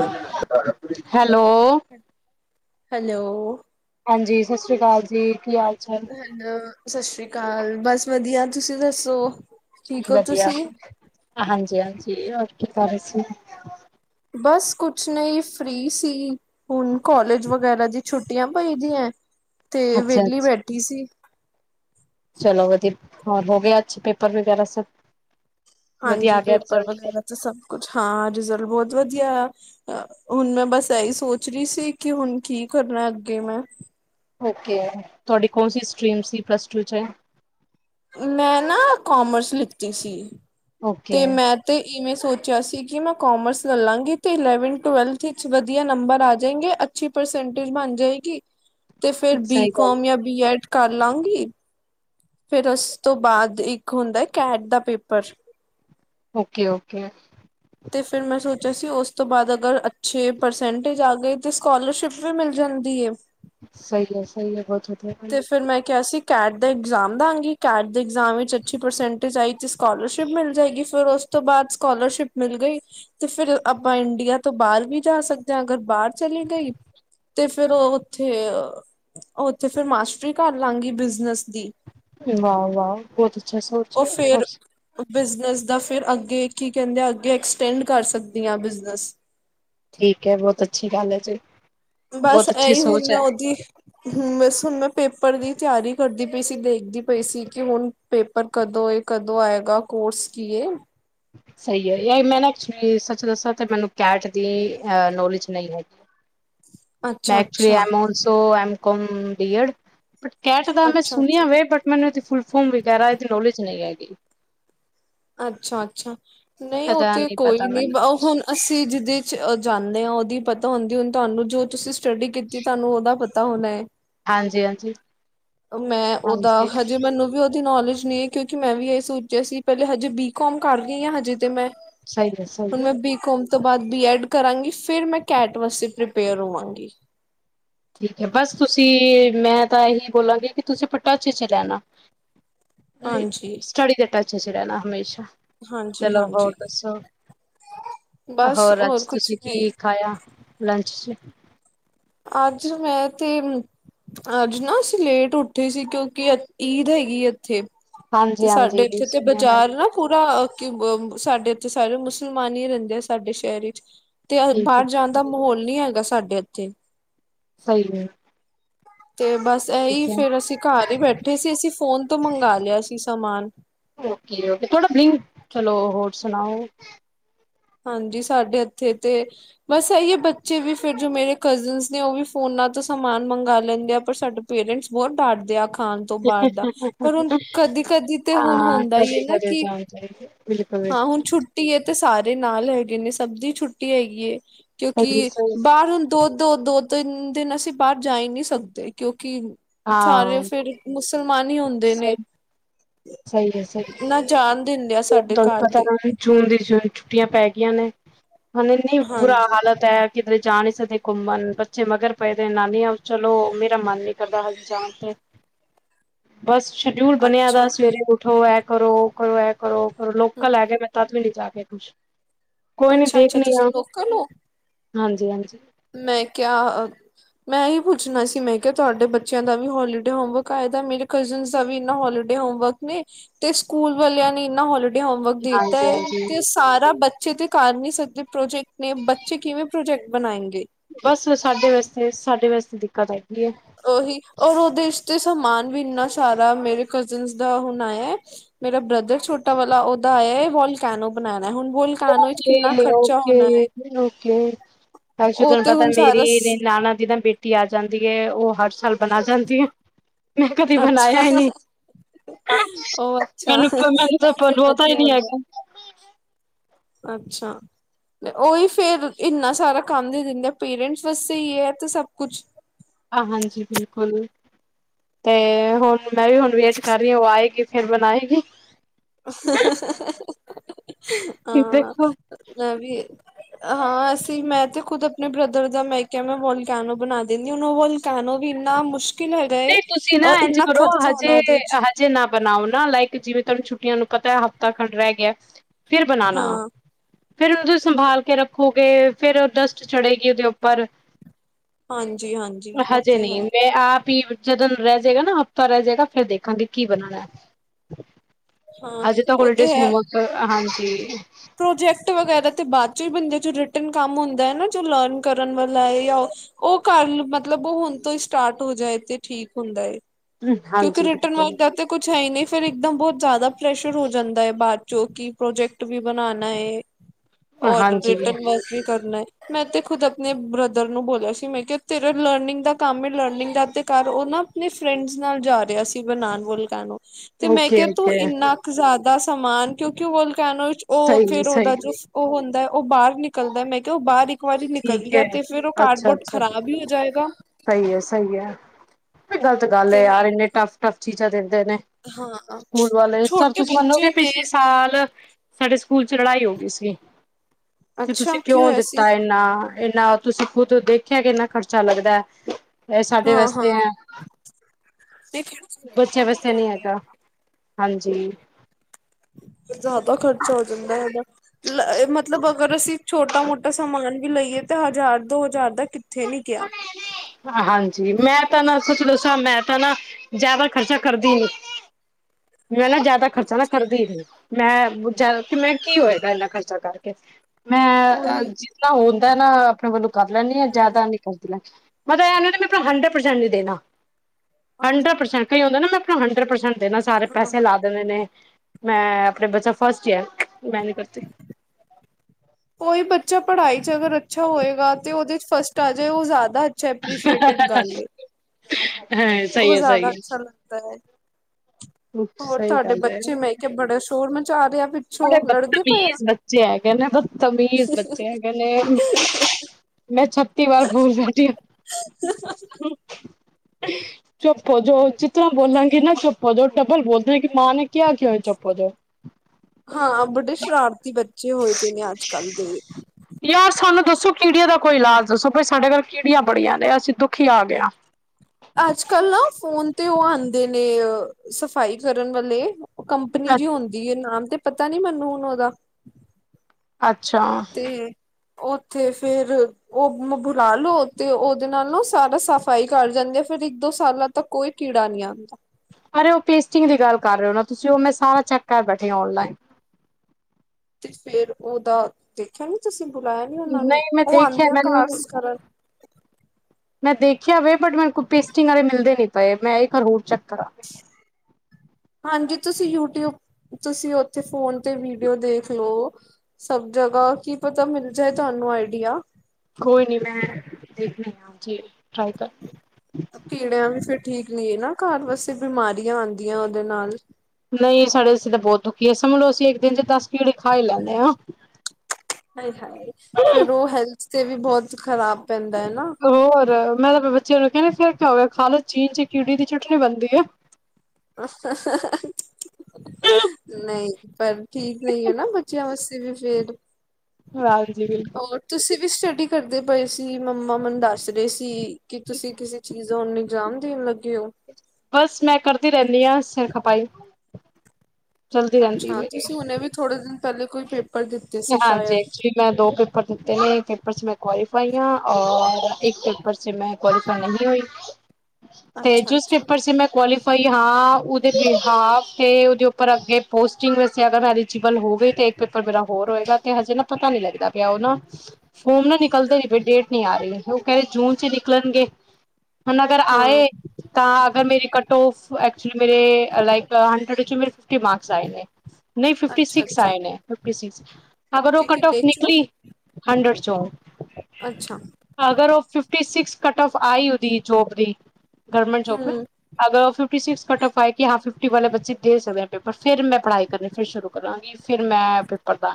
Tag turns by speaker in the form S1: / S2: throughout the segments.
S1: ਹ ਹੈ hello
S2: hello.
S1: ਹਾਂਜੀ। ਸਤਿ ਸ਼੍ਰੀ ਅਕਾਲ ਜੀ। ਕੀ ਹਾਲ ਚਾਲ
S2: ਹੈਲੋ, ਸਤਿ ਸ੍ਰੀ ਅਕਾਲ ਬਸ ਵਧੀਆ। ਤੁਸੀਂ ਦੱਸੋ ਠੀਕ ਹੋ
S1: ਵਧੀਆ
S2: ਤੁਸੀਂ?
S1: ਹਾਂਜੀ ਹਾਂਜੀ। [unintelligible] ਕੀ ਕਰ ਸੀ।
S2: ਬਸ ਕੁਛ ਨਹੀਂ ਫ੍ਰਰੀ ਸੀ ਹੁਣ ਕੋਾਲਜ ਵਗੈਰਾ ਦੀ ਛੁੱਟੀਆਂ ਪਈ ਦੀਆਂ ਤੇ
S1: ਅੱਛਾ
S2: ਵਿਹਲੀ
S1: ਅੱਛਾ,
S2: ਬੈਠੀ ਸੀ।
S1: ਚਲੋ ਵਧੀ ਹੋਰ ਹੋ ਗਿਆ ਅੱਛੇ ਪੇਪਰ ਵਗੈਰਾ ਸਭ ਵਧੀਆ ਆ
S2: ਹਾਂਜੀ,
S1: ਗਿਆ
S2: ਪੇਪਰ
S1: ਰਿਜ਼ਲਟ
S2: ਵਗੈਰਾ ਤੇ ਸਭ ਕੁਛ ਹਾਂ ਰਿਜ਼ਲਟ ਬਹੁਤ ਵਧੀਆ ਹੁਣ ਮੈਂ ਬਸ ਇਹੀ ਸੋਚ ਰਹੀ ਸੀ ਕਿ ਹੁਣ ਕੀ ਕਰਨਾ ਅੱਗੇ ਮੈਂ।
S1: ਓਕੇ ਤੁਹਾਡੀ ਕੌਣ ਸੀ ਸਟਰੀਮ ਸੀ ਪਲੱਸ ਟੂ 'ਚ ਹੈ?
S2: ਮੈਂ ਨਾ ਕੋਮਰਸ ਲਿਤੀ ਸੀ।
S1: ਓਕੇ
S2: ਤੇ ਮੈਂ ਤੇ ਇਵੇਂ ਸੋਚ ਸੋਚਿਆ ਸੀ ਕਿ ਮੈਂ ਕਮਰਸ ਲੈਲਾਂਗੀ ਤੇ ਇਲੈਵਨ ਟਵੈਲਥ ਵਿੱਚ ਵਧੀਆ ਨੰਬਰ ਆ ਜੇਗੇ ਅੱਛੀ ਪਰਸੈਂਟੇਜ ਬਣ ਜੇਗੀ। ਤੇ ਫੇਰ ਬੀ
S1: ਸਹੀ ਗੱਲ
S2: ਕੌਮ ਜਾਂ ਬੀ ਐਡ ਕਰ ਲਾਗੀ। ਫਿਰ ਉਸ ਤੋਂ ਬਾਅਦ ਇੱਕ ਹੁੰਦਾ ਕੈਟ ਦਾ ਪੇਪਰ।
S1: Okay okay.
S2: ਤੇ ਫਿਰ ਮੈਂ ਸੋਚਿਆ ਸੀ ਉਸ ਤੋਂ ਬਾਅਦ ਅਗਰ ਅੱਛੇ ਪਰਸੈਂਟਜ ਆ ਗਏ ਤੇ ਸਕਲਰਸ਼ਿਪ ਵੀ ਮਿਲ ਜਾਂਦੀ ਐ।
S1: ਸਹੀ ਐ ਸਹੀ ਐ ਬਹੁਤ ਵ
S2: ਤੇ ਫਿਰ ਮੈਂ ਕਿਹਾ ਸੀ। ਕੈਟ ਦਾ ਇਗਜ਼ਾਮ ਦਾਂਗੀ ਕੈਟ ਦੇ ਇਗਜ਼ਾਮ ਵਿੱਚ ਅੱਛੀ ਪਰਸੈਂਟੇਜ ਆਈ ਤੇ ਸਕੋਲਰਸ਼ਿਪ ਮਿਲ ਜਾਏਗੀ ਫਿਰ ਉਸ ਤੋਂ ਬਾਅਦ ਸਕੋਲਰਸ਼ਿਪ ਮਿਲ ਗਈ ਤੇ ਫਿਰ ਆਪਾਂ ਇੰਡੀਆ ਤੋਂ ਬਾਹਰ ਵੀ ਜਾ ਸਕਦੇ ਹਾਂ ਅਗਰ ਬਾਹਰ ਚਲੀ ਗਈ ਤੇ ਫੇਰ ਉਹ ਉੱਥੇ ਤੇ ਫਿਰ ਮਾਸਟਰੀ ਕਰ ਲਾਂਗੀ ਬਿਜਨਸ ਦੀ
S1: ਵਾਹ ਵਾਹ ਬਹੁਤ ਅੱਛਾ ਸੋਚ ਰਹੇ
S2: ਨਸ ਦਾ ਫਿਰ ਅੱਗੇ ਕੀ ਕਹਿੰਦੇ ਅੱਗੇ ਐਕਸਟੈਂਡ ਕਰ ਸਕਦੀ ਬਿਜ਼ਨਸ
S1: ਠੀਕ ਹੈ ਬਹੁਤ ਅੱਛੀ ਗੱਲ ਹੈ ਜੀ
S2: ਬਸ
S1: ਬਹੁਤ ਅੱਛੀ
S2: ਇਹੀ ਹੁਣ
S1: ਸੋਚ ਹੈ
S2: ਮੈਂ ਉਹਦੀ ਹੂੰ ਬਸ ਹੁਣ ਮੈਂ ਪੇਪਰ ਦੀ ਤਿਆਰੀ ਕਰਦੀ ਪਈ ਸੀ ਦੇਖਦੀ ਪਈ ਸੀ ਕਿ ਹੁਣ ਪੇਪਰ ਕਦੋਂ ਏ ਕਦੋਂ ਆਏਗਾ ਕੋਰਸ ਕੀ ਏ।
S1: ਸਹੀ ਹੈ ਯਾਰ ਮੈਂ ਨਾ ਐਕਚੁਲੀ ਸੱਚ ਦੱਸਾਂ ਤੇ ਮੈਨੂੰ ਕੈਟ ਦੀ ਨੌਲੇਜ ਨਹੀਂ ਹੈਗੀ।
S2: ਅੱਛਾ
S1: ਐਚੁਲੀ
S2: ਅੱਛਾ
S1: ਐਮ ਆਲਸੋ ਹੂੰ ਡਿਅਰ ਬਟ ਕੈਟ ਦਾ ਮੈਂ
S2: ਅੱਛਾ ਅੱਛਾ
S1: ਸੁਣਿਆ ਵੇ ਬਟ ਮੈਨੂੰ ਇਹਦੀ ਫੁਲ ਫੋਰਮ ਵਗੈਰਾ ਇਹਦੀ ਨੌਲੇਜ ਨਹੀਂ ਹੈਗੀ। [unintelligible]
S2: ਅੱਛਾ ਅੱਛਾ ਨਹੀਂ ਉਹ
S1: ਇਹਦਾ
S2: ਤੇ
S1: ਨਹੀਂ ਪਤਾ
S2: ਕੋਈ ਨੀ
S1: ਮੈਨੂੰ
S2: ਹੁਣ ਅਸੀਂ ਜਿਹਦੇ ਚ ਜਾਂਦੇ ਹਾਂ ਉਹਦੀ ਪਤਾ ਹੁੰਦੀ ਹੁੰਦੀ ਤੁਹਾਨੂੰ ਜੋ ਤੁਸੀਂ ਸਟੱਡੀ ਕੀਤੀ ਤੁਹਾਨੂੰ ਉਹਦਾ ਪਤਾ ਤਾਂ ਉਹਨੇ
S1: ਹਾਂਜੀ, ਹਾਂਜੀ,
S2: ਮੈਂ
S1: ਹਾਂਜੀ
S2: ਉਹਦਾ
S1: ਸਹੀ
S2: ਹਜੇ ਮੈਨੂੰ ਵੀ ਉਹਦੀ ਨੌਲੇਜ ਨਹੀਂ ਕਿਉਂਕਿ ਮੈਂ ਵੀ ਇਹ ਸੋਚਿਆ ਸੀ ਪਹਿਲੇ ਹਜੇ ਬੀ-ਕਾਮ ਕਰ ਰਹੀ ਹਾਂ ਹਜੇ ਤੇ ਮੈਂ
S1: ਸਹੀ ਹੈ
S2: ਹੁਣ
S1: ਸਹੀ ਹੈ।
S2: ਮੈਂ ਬੀ ਕੋਮ ਤੋਂ ਬਾਅਦ ਬੀ ਐਡ ਕਰਾਂਗੀ ਫਿਰ ਮੈਂ ਕੈਟ ਵਾਸਤੇ ਪ੍ਰਪੇਅਰ ਹੋਵਾਂਗੀ।
S1: ਠੀਕ ਹੈ ਬਸ ਤੁਸੀਂ ਮੈਂ ਤਾਂ ਇਹੀ ਬੋਲਾਂਗੇ ਕਿ ਤੁਸੀਂ ਪਟਾਚੇ ਚ ਲੈਣਾ। ਨਹੀ
S2: ਹਾਂਜੀ,
S1: ਸਟਡੀ ਦੇ ਟੱਚ ਉਹ ਦੇ ਚ ਰਹਿਣਾ ਹਮੇਸ਼ਾ
S2: ਹਾਂਜੀ,
S1: ਚਲੋ ਹੋਰ
S2: ਹਾਂਜੀ
S1: ਦੱਸੋ
S2: ਬਸ
S1: ਹੋਰ ਅੱਜ
S2: ਕੁਛ
S1: ਤੁਸੀਂ
S2: ਨਹੀਂ।
S1: ਕੀ ਖਾਇਆ ਲੰਚ ਚ [unintelligible]
S2: ਅੱਜ ਮੈਂ ਤੇ ਅੱਜ ਨਾ ਅਸੀਂ ਲੇਟ ਉੱਠੇ ਸੀ ਕਿਉਂਕਿ ਈਦ ਹੈਗੀ ਇੱਥੇ
S1: ਹਾਂਜੀ,
S2: ਤੇ ਸਾਡੇ
S1: ਹਾਂਜੀ
S2: ਉੱਥੇ ਤੇ
S1: ਸੁਣਿਆ ਮੈਂ ਵੀ।
S2: ਬਾਜ਼ਾਰ ਨਾ ਪੂਰਾ ਕਿ ਸਾਡੇ ਇੱਥੇ ਸਾਰੇ ਮੁਸਲਮਾਨ ਹੀ ਰਹਿੰਦੇ ਆ ਸਾਡੇ ਸ਼ਹਿਰ ਵਿੱਚ ਤੇ
S1: ਠੀਕ ਹੈ,
S2: ਬਾਹਰ
S1: ਠੀਕ
S2: ਜਾਣ
S1: ਹੈ,
S2: ਦਾ ਮਾਹੌਲ ਨੀ ਹੈਗਾ। ਸਾਡੇ ਉੱਥੇ
S1: ਸਹੀ ਹੈ।
S2: ਤੇ ਬਸ ਇਹੀ
S1: ਠੀਕ ਹੈ।
S2: ਫੇਰ ਅਸੀਂ ਘਰ ਹੀ ਬੈਠੇ ਸੀ ਅਸੀਂ ਫੋਨ ਤੋਂ ਮੰਗਵਾ ਲਿਆ ਸੀ। ਸਮਾਨ
S1: ਓਕੇ ਓਕੇ ਥੋੜਾ ਬਿੰਕ ਚਲੋ ਹੋਰ ਸੁਣਾਓ
S2: ਹਾਂਜੀ ਸਾਡੇ ਇੱਥੇ ਤੇ ਬਸ ਇਹੀ ਏ ਬੱਚੇ ਵੀ ਫਿਰ ਜੋ ਮੇਰੇ ਕਜ਼ਨਸ ਨੇ ਉਹ ਵੀ ਫੋਨਾਂ ਤੋਂ ਸਮਾਨ ਮੰਗਾ ਲੈਂਦੇ ਆ ਪਰ ਸਾਡੇ ਪੇਰੈਂਟਸ ਬਹੁਤ ਡਾਟਦੇ ਆ। ਖਾਣ ਤੋਂ ਬਾਹਰ ਦਾ ਪਰ ਹੁਣ ਕਦੀ-ਕਦੀ ਤੇ ਹੁਣ
S1: ਹਾਂ
S2: ਹੁੰਦਾ ਹੀ ਹੈ
S1: ਕਦੇ
S2: ਨਾ
S1: ਕਦੇ
S2: ਕਿ
S1: ਜਾਣਾ ਚਾਹੀਦਾ ਬਿਲਕੁਲ
S2: ਹਾਂ ਹੁਣ
S1: ਬਿਲਕੁਲ
S2: ਛੁੱਟੀ ਹੈ ਤੇ ਸਾਰੇ ਤੇ ਨਾਲ ਹੈਗੇ ਨੇ ਸਭ ਦੀ ਛੁੱਟੀ ਹੈਗੀ ਏ।
S1: ਸਹੀ
S2: ਕਿਉਂਕਿ
S1: ਸਹੀ
S2: ਬਾਹਰ ਹੁਣ ਦੁੱਧ-ਦੁੱਧ ਤਿੰਨ ਦਿਨ ਅਸੀਂ ਬਾਹਰ ਜਾ ਹੀ ਨਹੀਂ ਸਕਦੇ ਕਿਉਂ ਕਿ ਸਾਰੇ
S1: ਹਾਂ
S2: ਫਿਰ ਮੁਸਲਮਾਨ ਹੀ ਹੁੰਦੇ
S1: ਸਹੀ
S2: ਨੇ।
S1: ਸਹੀ ਐ, ਸਹੀ ਐ।
S2: ਨਾ
S1: [unintelligible]
S2: ਜਾਣ ਦਿੰਦੇ ਆ ਸਾਡੇ
S1: ਤੁਹਾਨੂੰ
S2: ਘਰ
S1: ਪਤਾ
S2: ਦੇ
S1: ਨਾ ਜੂਨ ਦੀ ਚ ਛੁੱਟੀਆਂ ਪੈ ਗਈਆਂ ਨੇ। ਹੁਨ ਇੰਨੀ ਬੁਰਾ
S2: ਹਾਂਜੀ
S1: ਹਾਲਤ ਹੈ ਕਿਧਰੇ ਜਾ ਨਹੀਂ ਸਕਦੇ ਘੁੰਮਣ, ਬੱਚੇ ਮਗਰ ਪਏਦੇ ਨਾਨੀ ਘਰ ਚਲੋ ਮੇਰਾ ਮਨ ਨੀ ਕਰਦਾ ਹਜੇ ਜਾਨ ਤੇ ਬਸ ਸ਼ੇਡਿਊਲ ਬਣਿਆ ਦਾ
S2: ਅੱਛਾ
S1: ਸਵੇਰੇ ਉੱਠੋ ਐ ਕਰੋ, ਕਰੋ ਐ ਕਰੋ ਫੇਰ ਉਹ ਲੋਕਲ ਹੈਗੇ ਮੈਂ ਤਦ ਵੀਲੀ ਜਾ ਕੇ ਕੁਛ
S2: ਅੱਛਾ-ਅੱਛਾ ਤੁਸੀਂ ਲੋਕਲ ਹੋ?
S1: ਹਾਂਜੀ-ਹਾਂਜੀ।
S2: ਮੈਂ ਕਿਹਾ ਮੈਂ ਇਹੀ ਪੁੱਛਣਾ ਸੀ ਮੈਂ ਕਿਹਾ ਤੁਹਾਡੇ ਬੱਚਿਆਂ ਦਾ ਵੀ ਹੋਲੀਡੇ ਹੋਮਵਰਕ ਆਏ ਦਾ, ਮੇਰੇ ਕਜ਼ਨ ਦਾ ਵੀ ਇਨਾ ਹੋਲੀਡੇ ਹੋਮਵਰਕ ਨੇ ਤੇ ਸਕੂਲ ਵਾਲਿਆਂ ਨੇ ਇਨਾਂ ਹੋਲੀ ਹੋਮਵਰਕ ਦੇ ਤਾ
S1: ਹਾਂਜੀ
S2: ਹੈ
S1: ਹਾਂਜੀ
S2: ਤੇ ਉਹ ਸਾਰਾ ਬੱਚ ਬੱਚੇ ਤੇ ਕਾਰ ਨੀ ਸਕਦੇ, ਪ੍ਰੋਜੈਕਟ ਨੇ ਬੱਚੇ ਕਿਵੇਂ ਪ੍ਰੋਜੈਕਟ ਬਣਾਏ
S1: ਬਸ ਸਾਡੇ ਵਾਸਤੇ, ਸਾਡੇ ਵਾਸਤੇ ਦਿੱਕਤ ਐ।
S2: ਓਹੀ ਔਰ ਉਹਦੇ ਚ ਤੇ ਸਮਾਨ ਵੀ ਇੰਨਾ ਸਾਰਾ ਮੇਰੇ ਕਜ਼ਨ ਦਾ ਹੁਨ ਆਇਆ, ਮੇਰਾ ਬ੍ਰਦਰ ਛੋਟਾ ਵਾਲਾ ਉਹਦਾ ਆਇਆ ਹੈ ਵਾਲ ਕੈਨੋ ਬਨਾਇਆ।
S1: [unintelligible] ਤੁਹਾਨੂੰ
S2: ਹੈ ਉਹ ਤੇ
S1: ਪਤਾ
S2: ਹੁਣ
S1: ਮੇਰੀ
S2: ਸਾਰਾ
S1: ਨਾਨਾ ਦੀ ਨਾ ਬੇਟੀ ਆ ਜਾਂਦੀ ਐ। ਉਹ ਹਰ ਸਾਲ ਬਨਾ ਜਾਂਦੀ ਐ। ਮੈਂ ਕਦੀ ਬਣਾਇਆ ਹੀ
S2: ਅੱਛਾ
S1: ਨਹੀਂ,
S2: ਉਹ ਅੱਛਾ
S1: ਮੈਨੂੰ, ਮੈਨੂੰ ਤਾਂ
S2: ਫਿਰ
S1: [unintelligible] ਹੀ
S2: ਵਧੀਆ
S1: ਨਹੀਂ
S2: ਹੁੰਦਾ
S1: ਹੈਗਾ।
S2: ਅੱਛਾ ਉਹੀ ਫੇਰ ਇਨਾ ਸਾਰਾ ਕੱਮ ਦੇ ਦਿੰਦੇ, ਪੇਰੈਂਟਸ ਵਾਸਤੇ ਹੀ ਹੈ ਤੇ ਸਭ ਕੁਛ।
S1: ਹਾਂਜੀ, ਬਿਲਕੁਲ ਤੇ ਹੋਰ ਮੈਂ ਵੀ ਹੁਣ ਵੇਟ ਕਰ ਰਹੀ ਆਂ, ਉਹ ਆਏਗੀ ਫੇਰ ਬਣਾਏ। [unintelligible]
S2: ਹਾਂ
S1: ਦੇਖੋ
S2: ਇਹ ਵੀ ਹਾਂ ਅਸੀਂ ਮੈਂ ਤੇ ਖੁੱਦ ਆਪਣੇ ਬ੍ਰਦਰ ਦਾ ਮੈਂ ਕਿਹਾ ਮੈਂ ਵਲ ਕਨੋ ਬਣਾ ਦਿੰਦੀ ਹੁਣ ਉਹ ਵਲ ਕੈਨੋ ਵੀ ਇੰਨਾ ਮੁਸ਼
S1: ਨਹੀਂ ਤੁਸੀਂ ਨਾ ਇੰਝ ਕਰੋ ਹਜੇ
S2: ਆਉਣਾ ਉਹਦੇ ਚ
S1: ਹਜੇ ਨਾ ਬਣਾਓ ਨਾ ਲਾਈਕ ਜਿਵੇਂ ਤੁਹਾਨੂੰ ਛੁੱਟੀ ਆਂ ਨੂੰ ਪਤਾ ਹੈ ਹਫ਼ਤਾ ਖੰਡ ਰਹਿ ਗਿਆ ਫਿਰ ਬਣਾਨਾ
S2: ਹਾਂ
S1: ਫਿਰ ਉਹ ਨੂੰ ਸੰਭਾਲ ਕੇ ਰੱਖੋਗੇ ਫੇਰ ਉਹ ਡਸਟ ਚੜੇਗੀ ਉਹਦੇ ਉੱਪਰ
S2: ਹਾਂਜੀ ਹਾਂਜੀ
S1: ਹਜੇ
S2: ਉਥੇ
S1: ਨਹੀਂ
S2: ਹੈ।
S1: ਮੈਂ ਆਪ ਜਦੋਂ ਰਹਿ ਜਾਏਗਾ ਨਾ ਹਫ਼ਤਾ ਰਹਿ ਜਾਏਗਾ ਫਿਰ ਦੇਖਾਂਗੇ ਕੀ ਬਣਨਾ
S2: ਹਾਂ
S1: ਅਜੇ ਤਾਂ
S2: ਉਹ
S1: ਹੋਲੀਡੇ
S2: ਤੇ ਹੈ
S1: ਹੋਮੋ ਹਾਂਜੀ। ਜੀ
S2: ਪ੍ਰੋਜੈਕਟ ਵਗੈਰਾ ਤੇ ਬਾਦ ਚੋ ਹੀ ਬਣਨੇ ਜਦੋ ਰਿਟਰ ਕੰਮ ਹੁੰਦਾ ਨਾ ਜੋ ਲਰਨ ਕਰਨ ਵਾਲਾ ਹੈ ਉਹ ਮਤਲਬ ਹੁਣ ਤੋਂ ਸਟਾਰਟ ਹੋ ਜਾਏ ਤੇ ਠੀਕ ਹੁੰਦਾ ਹੈ। ਕਿਉਂਕਿ
S1: ਹਾਂਜੀ
S2: ਰਿਟਰਨ
S1: ਬਿਲਕੁਲ।
S2: ਵਰਕ ਜਾ ਤੇ ਕੁੱਛ ਹੈ ਹੀ ਨਹੀਂ ਫੇਿਰ ਇੱਕਦਮ ਬਹੁਤ ਜ਼ਿਆਦਾ ਪ੍ਰੈਸ਼ਰ ਹੋ ਜਾਂਦਾ ਹੈ ਬਾਅਦ ਚੋਂ ਕਿ ਪ੍ਰੋਜੈਕਟ ਵੀ ਬਣਾਉਣਾ ਏ। ਔਰ
S1: ਹਾਂਜੀ,
S2: ਰਿਟਰਨ ਵਰਕ ਵੀ ਕਰਨਾ ਮੈਂ ਤੇ ਖੁਦ ਆਪਣੇ ਬ੍ਰਦਰ ਨੂੰ ਬੋਲਿਆ ਸੀ ਮੈਂ ਕਿਹਾ ਤੇਰਾ ਲਰਨਿੰਗ ਦਾ ਕੰਮ ਹੈ ਲਰਨਿੰਗ ਦਾ ਕਰ, ਉਹ ਨਾ ਆਪਣੇ ਫਰੈਂਡਸ ਨਾਲ ਜਾ ਰਿਹਾ ਸੀ ਬਣਾਨ ਵੋਲ ਕਹਨੋ ਤੇ ਮੈਂ ਕਿਹਾ ਤੂੰ
S1: ਓਕੇ-ਓਕੇ
S2: ਇੰਨਾ ਕੁ ਜ਼ਿਆਦਾ ਦਾ ਸਮਾਨ ਕਿਉਂਕਿ ਵੋਲ ਕੈਹਨੋ ਚੋ ਉਹ
S1: ਸਹੀ ਹੈ,
S2: ਫੇਰ
S1: ਸਹੀ
S2: ਉਹਦਾ ਜੋ
S1: ਹੈ।
S2: ਉਹ ਹੁੰਦਾ ਏ ਉਹ ਬਾਹਰ ਨਿਕਲਦਾ ਮੈਂ ਕਿਹਾ ਉਹ ਬਾਹਰ ਵਾਰੀ ਨਿਕਲ
S1: ਠੀਕ ਹੈ
S2: ਗਿਆ ਤੇ ਫਿਰ ਉਹ
S1: ਅੱਛਾ
S2: ਕਾਰਡਬੋਰਡ
S1: ਅੱਛਾ
S2: ਖ਼ਰਾਬ ਹੀ ਹੋ ਜਾਏਗਾ
S1: ਸਹੀ ਹੈ ਸਹੀ ਹੈ। ਗੱਲ ਹੈ
S2: ਤੇ ਮੈਂ
S1: ਯਾਰ ਇੰਨੇ ਟਫ ਟਫ ਚੀਜ਼ਾਂ ਦੇ ਨੇ
S2: ਹਾਂ
S1: ਸਕੂਲ ਵਾਲੇ ਸਰ
S2: ਛੋਟੇ
S1: ਤੁਸੀਂ
S2: ਬੱਚੇ
S1: ਮੰਨੋਗੇ
S2: ਨੇ
S1: ਪਿਛਲੇ ਸਾਲ ਸਾਡੇ ਸਕੂਲ ਸਕੂਲ ਚ ਲੜਾਈ ਹੋ ਗਈ ਸੀ ਤੇ
S2: ਅੱਛਾ
S1: ਤੁਸੀਂ
S2: ਕੀ
S1: ਕਿਉਂ
S2: ਹੋਇਆ ਸੀ
S1: ਦਿੱਤਾ ਏ ਇੰਨਾ ਤੁਸੀਂ ਖੁੱਦ ਦੇਖਿਆ ਕਿ ਇੰਨਾ ਖ਼ਰਚਾ ਲੱਗਦਾ ਏ ਇਹ ਸਾਡੇ
S2: ਹਾਂ
S1: ਵਾਸਤੇ
S2: ਹਾਂ
S1: ਹੈ
S2: ਤੇ
S1: ਬੱਚੇ ਵਾਸਤੇ ਨਹੀ ਹੈਗਾ ਹਾਂਜੀ
S2: ਜ਼ਿਆਦਾ ਖਰਚਾ ਹੋ ਜਾਂਦਾ ਮਤਲਬ ਅਗਰ ਅਸੀਂ ਛੋਟਾ ਮੋਟਾ ਸਮਾਨ ਵੀ ਲਈਏ ਤਾਂ ਹਜ਼ਾਰ ਦੋ ਹਜ਼ਾਰ ਦਾ ਕਿੱਥੇ ਨੀ ਗਿਆ
S1: ਹਾਂਜੀ ਮੈਂ ਤਾਂ ਨਾ ਸੱਚ ਦਸਾਂ ਮੈਂ ਤਾਂ ਨਾ ਜ਼ਿਆਦਾ ਖ਼ਰਚਾ ਕਰਦੀ ਹੀ ਨੀ ਮੈਂ ਨਾ ਜ਼ਿਆਦਾ ਖਰਚਾ ਨਾ
S2: ਅੱਛਾ
S1: ਕਰਦੀ ਨੀ ਮੈਂ [inaudible] ਮੈਂ ਕੀ ਹੋਏਗਾ ਇੰਨਾ ਖਰਚਾ ਕਰਕੇ ਮੈਂ
S2: ਉਹੀ
S1: ਜਿੰਨਾ ਹੁੰਦਾ ਨਾ ਆਪਣੇ ਵੱਲੋਂ ਕਰ ਲੈਂਦੀ ਹਾਂ
S2: ਹਮ
S1: ਜ਼ਿਆਦਾ ਨਹੀਂ ਕਰਦੀ ਮੈ ਮਤਲਬ ਏਹ ਹੇਹੰਡਰਡ ਪਰਸੈਂਟ ਨ ਦੇਣਾ
S2: ਅੱਛਾ
S1: ਹੰਡਰਡ
S2: ਅੱਛਾ
S1: ਪਰਸੈਂਟ ਨਹੀਂ ਹੁੰਦਾ ਨਾ ਮੈਂ ਹੰਡਰਡ ਪਰਸੈਂਟ ਨਾ ਸਾਰੇ
S2: ਹਾਂ
S1: ਪੈਸੇ
S2: ਹਾਂ
S1: ਲਾ ਦੇਿੰਦੇ ਨੇ ਮੈਂ ਆਪਣੇ ਪੁਛਾ ਫਸਟ ਈਅਰ ਮੈਂ ਨਹੀਂ ਪੜਦੀ
S2: ਕੋਈ ਬੱਚਾ ਪੜ੍ਹਾਈ ਜੇ ਅਗਰ ਅੱਛਾ ਹੋਏਗਾ ਤੇ ਉਹਦੇ ਚ ਫਸਟ ਅਜੇ ਉਹ ਜ਼ਦਾ [inaudible] ਮਚ ਐਪ੍ਰਸ਼ੀਏਟਡ ਗੱਲ ਐ ਉਹ
S1: ਸਹੀ ਹੈ
S2: ਜ਼ਿਆਦਾ
S1: ਸਹੀ ਹੈ
S2: ਅੱਛਾ ਲੱਗਦਾ ਹੈ ਹੋਰ
S1: ਸਹੀ
S2: ਤੁਹਾਡੇ
S1: ਗੱਲ
S2: ਬੱਚੇ
S1: ਹੈ
S2: ਮੈਂ ਕਿਹਾ ਬੜੇ ਸ਼ੋਰ ਮ ਚਾ ਰਿਹਾ ਪਿੱਛੋਂ
S1: ਬੜੇ
S2: ਲੜਦੇ ਪਏ ਆ
S1: ਬਦਤਮੀਜ਼ ਬੱਚੇ ਹੈਗੇ ਨੇ ਬਦਤਮੀਜ਼ ਬੱਚੇ ਹੈਗੇ ਨੇ ਮੈਂ ਛੱਤੀ ਵਾਰ ਸਮਜਾਂਦੀ ਆ ਚੁੱਪ ਹੋ ਜੋ, ਜਿਤਨਾ ਬੋਲਾਂਗੇ ਨਾ ਚੁੱਪ ਹੋ ਜੋ, ਟਬਲ ਬੋਲਦੇ ਕਿ ਮਾਂ ਨੇ ਕਿਆ ਕਿਉਂ ਹੈ ਚੁੱਪ ਹੋ ਜੋ
S2: ਹਾਂ ਬੜੇ ਸ਼ਰਾਰਤੀ ਬੱਚੇ ਜੇ ਹੋਏ ਤੇ ਨੇ ਅੱਜ ਕੱਲ ਦੇ
S1: ਯਾਰ ਸਾਨੂੰ ਦੱਸੋ ਕੀੜੀਆਂ ਦਾ ਕੋਈ ਇਲਾਜ ਦੱਸੋ ਭਾਈ ਸਾਡੇ ਘਰ ਕੀੜੀਆਂ ਬੜੀਆਂ ਨੇ ਅਸੀਂ ਦੁਖੀ ਆ ਗ
S2: ਅੱਜ ਕੱਲ ਨਾ ਫੋਨ ਤੇ ਉਹ ਆਉਂਦੇ ਨੇ ਸਫ਼ਾਈ ਕਰਨ ਵਾਲੇ ਕੰਪਨੀ
S1: ਅੱ
S2: ਜੀ ਹੁੰਦੀ ਹੈ ਨਾਮ ਤੇ ਪਤਾ ਨੀ ਮੈਨੂੰ ਹੁਣ ਉਹਦਾ
S1: ਅੱਛਾ
S2: ਤੇ ਉੱਥੇ ਫੇਰ ਉਹ ਬੁਲਾ ਲਉ ਤੇ ਉਹਦੇ ਨਾਲ ਨਾ ਸਾਰਾ ਸਫ਼ਾਈ ਕਰ ਜਾਂਦੇ ਆ ਫਿਰ ਇੱਕ ਦੋ ਸਾਲਾਂ ਤੱਕ ਕੋਈ ਕੀੜਾ ਨਹੀਂ ਆਉਂਦਾ
S1: ਅਰੇ ਉਹ ਪੇਸਟਿੰਗ ਦੀ ਗੱਲ ਕਰ ਰਹੇ ਹੋ ਨਾ ਤੁਸੀਂ ਉਹ ਮੈਂ ਸਾਰਾ ਚੈੱਕ ਕਰ ਬੈਠੀ ਆ ਔਨਲਾਈਨ
S2: ਤੇ ਫੇਰ ਉਹਦਾ ਦੇਖਿਆ ਨੀ ਤੁਸੀਂ ਬੁਲਾਇਆ ਨੀ ਉਹਨਾਂ ਨੂੰ,
S1: ਨਹੀਂ ਮੈਂ
S2: ਔ
S1: ਦੇਖਿਆ
S2: ਆਉਂਦੇ ਆ
S1: ਮੈਨੂੰ
S2: ਕਾਰਸ ਕਰਨ
S1: ਮੈਂ ਦੇਖਿਆ ਵੇ ਬਟ ਮੈਨੂੰ ਕੋਲ ਪੇਸਟਿੰਗ ਵਾਲੇ ਮਿਲਦੇ ਨੀ ਪਏ ਮੈਂ ਇਹ ਵਾਰ ਹੋਰ ਚੱਕ
S2: ਹਾਂਜੀ ਤੁਸੀਂ ਯੂਟਿਊਬ ਤੁਸੀਂ ਔਥੇ ਫੋਨ ਤੇ ਵੀਡੀਓ ਦੇਖ ਲਓ ਸਭ ਜਗਾ ਕੀ ਪਤਾ ਮਿਲ ਜਾਏ ਤੁਹਾਨੂੰ ਆਈਡੀਆ
S1: ਵੇਖਣੇ ਆਂ ਹਾਂ ਜੀ ਰਾਇਤਾ
S2: ਕੀੜਿਆਂ ਵੀ ਫਿਰ ਠੀਕ ਨਹੀਂ ਹੈ ਨਾ, ਘਰ ਵੈਸੇ ਬਿਮਾਰੀਆਂ ਆਉਂਦੀਆਂ ਉਹਦੇ ਨਾਲ
S1: ਨਹੀਂ ਸਾਡੇ ਤਾਂ ਬਹੁਤ ਔਖੀ ਹੈ ਸਮਝ ਲੋ ਅਸੀਂ ਇੱਕ ਦਿਨ ਚ ਦੱਸ ਕੀੜੇ ਖਾਈ ਲੈਂਦੇ ਹਾਂ
S2: ਆਇ ਹਾਯ ਫੇਿਰ ਉਹ ਹੈਲਥ ਤੇ ਵੀ ਬਹੁਤ ਖ਼ਰਾਬ ਪੈਂਦਾ ਹੈ ਨਾ
S1: ਹੋਰ ਮੈਂ ਤਾਂ [unintelligible] ਚੋ ਕਹਿੰਦੇ ਫਿਰ ਕਿਆ ਹੋਆ ਖਾਲਾ ਚੀਨ ਚ ਕੀੜ ਦੀ ਚਟਨੀ ਬਣਦੀ ਹੈ
S2: ਅਹ ਅਹ ਨਹੀਂ ਪਰ ਠੀਕ ਨਹੀਂ ਹੈ ਨਾ ਬੱਚਿਆਂ ਵਾਸਤੇ ਤੇ ਵੀ ਫੇਰ
S1: ਹਾਂਜੀ ਬਿਲਕੁਲ।
S2: ਕੀ ਕਰਦੇ ਪਏ ਸੀ ਮੰਮਾ ਮੈਨੂੰ ਦੱਸ ਰਹੇ ਸੀ। ਕੀ ਤੁਸੀਂ ਕਿਸੇ ਚੀਜ਼ [unintelligible] ਨਹੀਂ ਜਾਣ ਦੇਣ ਲੱਗੇ ਓ।
S1: ਬਸ ਮੈਂ ਕਰਦੀ ਰਹਿੰਨੀ ਆ ਸਿਰ ਖਪਾਈ। ਚਲਦੀ ਰਹਿੰਦੀ
S2: ਅੱਛਾ
S1: ਮੇਰੀ।
S2: ਤੁਸੀਂ ਹੁਣੇ ਵੀ ਥੋੜੇ ਦਿਨ ਪਹਿਲੇ ਕੋਈ ਪੇ
S1: ਹਾਂਜੀ ਐਕਚੁਲੀ ਮੈਂ ਦੋ ਪੇਪਰ ਦਿੱਤੇ ਨੇ ਪੇਪਰ ਚ ਮੈਂ ਕੁਆਾਲੀਫਾਈ ਆ ਔਰ ਇੱਕ ਪੇਪਰ ਹਜੇ ਮੈਂ ਕੁਆਲੀਫਾਈ ਨਹੀਂ ਹੋਈ। ਤੇ
S2: ਅੱਛਾ
S1: ਜਿਸ
S2: ਅੱਛਾ
S1: ਪੇਪਰ ਚ ਮੈਂ ਕੁਆਲ ਭਾਈ ਹਾਂ ਉਹਦੇ ਬਿਹਾਫ ਤੇ ਉਹਦੇ ਉੱਪਰ ਅੱਗੇ ਪੋਸਟਿੰਗ ਵੈਸੇ ਅਗਰ ਐਲੀਜੀਬਲ ਹੋਵੇ ਤੇ ਇੱਕ ਪੇਪਰ ਬਿਰਾ ਹੋਰ ਹੋਏਗਾ ਤੇ ਹਜੇ ਨਾ ਪਤਾ ਨੀ ਲੱਗਦਾ ਪਿਆ ਉਹ ਨਾ, ਫੋਮ ਨਾ ਨਿਕਲਦੇ ਨਹੀਂ ਪਏ ਡੇਟ ਨੀ ਆ ਰਹੀ ਉਹ ਕਹਿ ਰਹੇ ਜੂਨ ਚ ਨਿਕਲਣਗੇ। ਹੁਣ ਅਗਰ
S2: ਹਾਂ
S1: ਆਏ ਤਾਂ ਅਗਰ ਮੇਰੀ ਕਟ ਔਫ ਐਕਚੁਲੀ ਮੇਰੇ ਲਾਈਕ ਹੰਡਡ ਚ ਮੇ ਫਿਫਟੀ ਮਾਕਸ ਆਏ ਨੇ, ਨਹੀਂ ਫਿਫਟੀ
S2: ਅੱਛਾ
S1: ਸਿਕਸ
S2: ਅੱਛਾ
S1: ਆਏ ਨੇ। ਅਗਰ ਉਹ
S2: ਓਕੇ
S1: ਕਟ ਔਫ
S2: ਕਿੰਨੇ ਚੋਂ
S1: ਨਿਕਲੀ ਹੰਡਡ ਚੋਂ।
S2: ਅੱਛਾ
S1: ਅਗਰ ਉਹ ਫਿਫਟੀ ਸਿਕਸ ਕੱਟ ਔਫ ਆਈ ਉਹਦੀ ਜੋਬ ਦੀ। ਗਵਰਮੈਂਟ ਜੌਬ ਏ,
S2: ਹਮ
S1: ਅਗਰ ਫਿਫਟੀ ਸਿਕਸ ਕਟ ਔਫ ਆਏਗੀ ਹਾਫ ਫਿਫ ਫਿਫਟੀ ਵਾਲੇ ਬੱਚੇ ਦੇ ਸਕਦੇ ਪੇਪਰ ਫਿਰ ਮੈਂ ਪੜ੍ਹਾਈ ਕਰਨੀ ਫਿਰ ਸ਼ੁਰੂ ਕਰਾਂਗੀ ਫਿਰ ਮੈਂ ਪਤਾ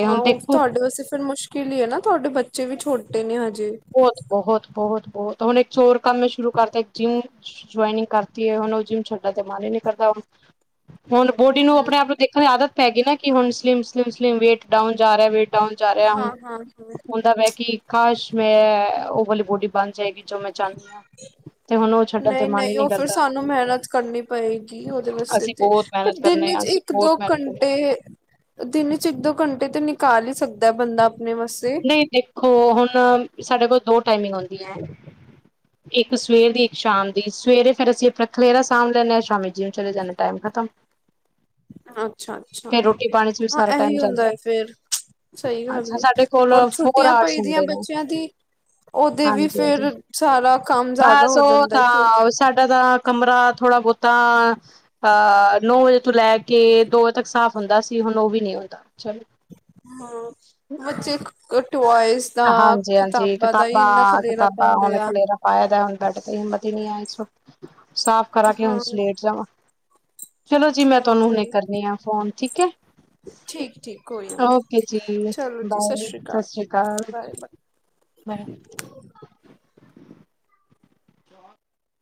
S2: ਹਾਂ ਉਹ ਤੁਹਾਡੇ ਵਾਸਤੇ ਫਿਰ ਮੁਸ਼ਕਿਲ ਹੀ ਹੈ ਨਾ ਤੁਹਾਡੇ ਬੱਚੇ ਵੀ ਛੋਟੇ ਨੇ ਹਜੇ।
S1: ਬਹੁਤ, ਬਹੁਤ, ਬਹੁਤ ਬਹੁਤ ਹੁਣ ਇੱਕ ਹੋਰ ਕੰਮ ਸ਼ੁਰੂ ਕਰਤਾ ਜਿੰਮ ਜੁਆਇਨਿੰਗ ਕਰਤੀ ਹੈ ਹੁਣ ਉਹ ਜਿੰਮ ਛੱਡਣ ਤੇ ਮਨ ਹੀ ਨੀ ਕਰਦਾ ਹੁਣ ਹੁਣ ਬੋਡੀ ਨੂੰ ਆਪਣੇ ਆਪ ਨੂੰ ਦੇਖਣ ਦੀ ਆਦਤ ਪੈ ਗਈ ਨਾ ਕਿ ਹੁਣ slim slim slim weight down ਜਾ ਰਿਹਾ ਵੇਟ ਡਾਊਨ ਜਾ ਰਿਹਾ ਹੁਣ,
S2: ਹਾਂ ਹਾਂ ਹਾਂ
S1: ਹੁੰਦਾ ਵੇ ਕੀ ਕਾਸ਼ ਐ ਉਹ ਵਾਲੀ ਬੋਡੀ ਬਣ ਜਾਏਗੀ। ਜੋ ਮੈਂ ਚਾਹੁੰਦੀ ਹਾਂ ਤੇ ਹੁਣ ਉਹ ਛੱਡਣ ਤੇ ਮਨ ਹੀ
S2: ਨਹੀਂ-ਨਹੀਂ
S1: ਨੀ
S2: ਉਹ ਫਿਰ
S1: ਕਰਦਾ
S2: ਸਾਨੂੰ ਮਿਹਨਤ ਕਰਨੀ ਪਏਗੀ ਉਹਦੇ ਵਾਸਤੇ
S1: ਅਸੀਂ
S2: ਤੇ,
S1: ਬਹੁਤ
S2: ਪਰ
S1: ਮਿਹਨਤ ਕਰਨੇ
S2: ਦਿਨ
S1: ਆ
S2: ਚ
S1: ਅਸੀਂ ਬਹੁਤ
S2: ਇੱਕ-ਦੋ
S1: ਮਿਹਨਤ ਕਰਨੇ ਆ।
S2: ਘੰਟੇ, ਦਿਨ ਚ ਇੱਕ-ਦੋ ਘੰਟੇ ਤੇ ਨਿਕਾਲ ਈ ਸਕਦਾ ਬੰਦਾ। ਆਪਣੇ ਵਾਸਤੇ
S1: ਨਹੀਂ ਦੇਖੋ ਹੁਣ ਸਾਡੇ ਕੋਲ ਦੋ ਟਾਈਮਿੰਗ ਹੁੰਦੀਆਂ, ਇੱਕ ਸਵੇਰ ਦੀ ਇੱਕ ਸ਼ਾਮ ਦੀ ਸਵੇਰੇ ਫਿਰ ਅਸੀਂ ਆਪਣਾ ਖਲੇਰਾ ਸਾਂਭ ਲੈਂਦੇ ਹਾਂ ਸ਼ਾਮੀ ਜੀਨ ਚਲੇ ਜਾਂਨੇ ਟਾਈਮ ਖਤਮ।
S2: ਅੱਛਾ ਅੱਛਾ
S1: ਫੇਰ ਰੋਟੀ ਪਾਣੀ ਚ ਵੀ
S2: ਹਾਂ
S1: ਸਾਰਾ ਟਾਈਮ
S2: ਇਹੀ ਹੁੰਦਾ
S1: ਜਾਂਦਾ
S2: ਹੈ ਫੇਰ ਸਹੀ
S1: ਅੱਛਾ
S2: ਗੱਲ ਏ।
S1: ਸਾਡੇ ਕੋਲ
S2: ਔਰ
S1: ਫੋਰ
S2: ਛੁੱਟੀਆਂ
S1: ਆਰਟਸ
S2: ਪਈ ਦੀਆਂ
S1: ਹੁੰਦੇ ਨੇ
S2: ਬੱਚਿਆਂ ਦੀ, ਉਹਦੇ ਵੀ
S1: ਹਾਂਜੀ ਹਾਂਜੀ
S2: ਫੇਿਰ ਸਾਰਾ ਕੰਮ ਜ਼ਿਆਦਾ
S1: ਬਸ
S2: ਹੋ
S1: ਉਹ
S2: ਜਾਂਦਾ ਹੈ। ਕਿਉਂਕਿ
S1: ਤਾਂ ਸਾਡਾ ਤਾਂ ਕਮਰਾ ਥੋੜ੍ਹਾ ਬਹੁਤਾ, ਅ ਨੌ ਵਜੇ ਤੋਂ ਲੈ ਕੇ ਦੋ ਵਜੇ ਤੱਕ ਸਾਫ਼ ਹੁੰਦਾ ਸੀ। ਹੁਣ ਉਹ ਵੀ ਨ ਹੁੰਦਾ ਚਲੋ
S2: ਹੂੰ ਬੱਚੇ ਕੁ
S1: ਹਾਂਜੀ, ਹਾਂਜੀ
S2: ਹੀ ਇੰਨਾ
S1: ਕਿਤਾਬਾਂ
S2: ਖਲੇਰਾ
S1: ਕਿਤਾਬਾਂ
S2: ਪਾਉਂਦੇ
S1: ਹੁਣ
S2: ਆ
S1: ਖਲੇੇਰਾ ਪਾਇਆ, ਦਾ ਹੁਣ ਬੈਡ ਤੇ ਹਿੰਮਤੀ ਨੀ ਆਈ ਸੋ ਸਾਫ਼ ਕਰਾ ਕੇ ਹੁਣ
S2: ਹਾਂ
S1: ਲੇਟ ਜਾਵਾਂ ਚਲੋ ਜੀ, ਮੈਂ
S2: ਹਾਂ
S1: ਤੁਹਾਨੂੰ ਹੁਣੇ
S2: ਉਹੀ
S1: ਕਰਨੀ ਆਾ ਫੋਨ ਠੀਕ ਕਿ
S2: ਠੀਕ ਠੀਕ ਕੋਈ ਨੀ
S1: ਓਕੇ ਜੀ,
S2: ਚਲੋ ਜੀ
S1: ਬਾਏ
S2: ਸ੍ਰੀ ਅਕਾਲ
S1: ਸਤਿ ਸ਼੍ਰੀ ਅਕਾਲ
S2: ਬਾਏ
S1: ਹਾ
S2: ਬਾਏ
S1: ਬਾਏ